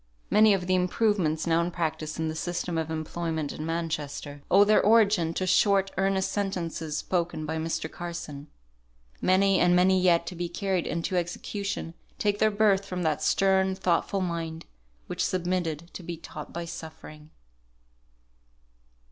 Many of the improvements now in practice in the system of employment in Manchester, owe their origin to short, earnest sentences spoken by Mr. Carson. Many and many yet to be carried into execution, take their birth from that stern, thoughtful mind, which submitted to be taught by suffering.